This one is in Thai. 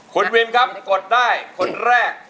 คุณวินครับกดได้คนแรก